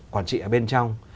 quản trị ở bên trong